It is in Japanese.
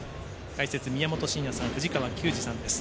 解説、宮本慎也さん藤川球児さんです。